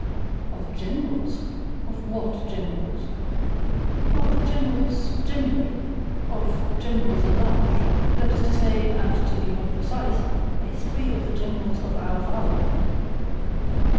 "Of Generals? Of WHAT Generals?" "Of Generals generally of Generals at large. That is to say, and to be more precise, a history of the Generals of our fatherland."